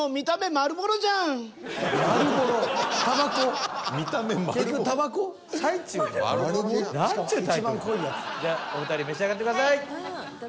マールボロ？じゃあお二人召し上がってください。